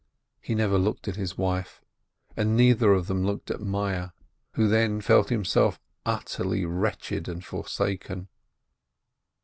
He never looked at his wife, and neither of them looked at Meyerl, who then felt himself utterly wretched and forsaken.